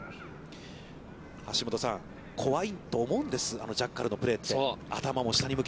橋下さん、怖いと思うんです、あのジャッカルをプレーを見て。